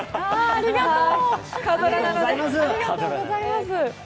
ありがとうございます。